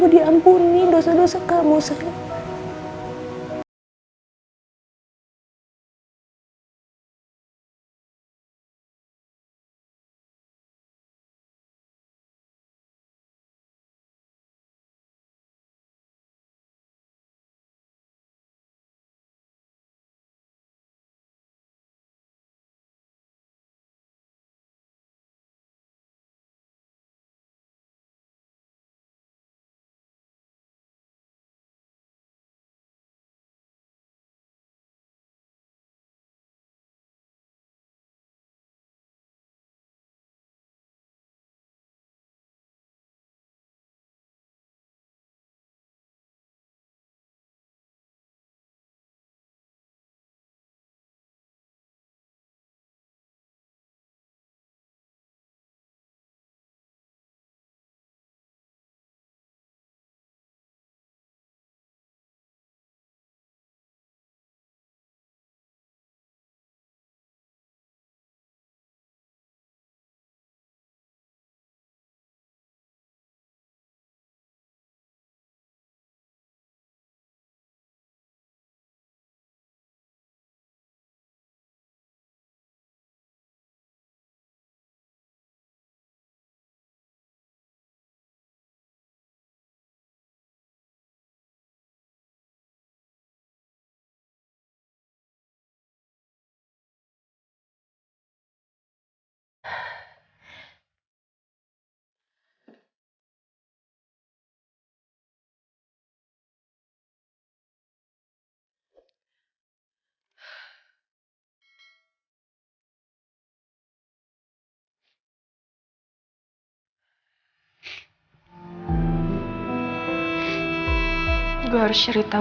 di dalam pernikahannya